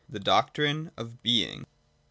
THE DOCTRINE OF BEING. 84.